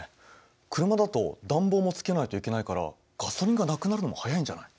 車だと暖房もつけないといけないからガソリンがなくなるのも早いんじゃない？